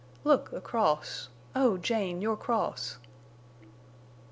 Look, a cross! Oh, Jane, your cross!"